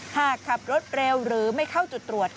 หากขับรถเร็วหรือไม่เข้าจุดตรวจ